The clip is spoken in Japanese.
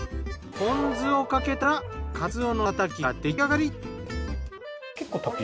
ポン酢をかけたらカツオのたたきが出来上がり。